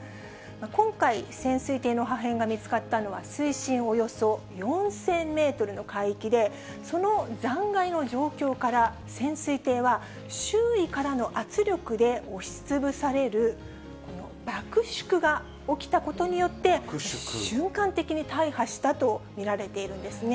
今回、潜水艇の破片が見つかったのは、水深およそ４０００メートルの海域で、その残骸の状況から、潜水艇は周囲からの圧力で押しつぶされる、爆縮が起きたことによって、瞬間的に大破したと見られているんですね。